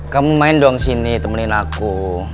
kamu main dong sini temenin aku